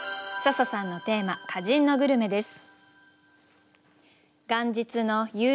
笹さんのテーマ「歌人のグルメ」です。